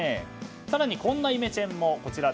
更に、こんなイメチェンも。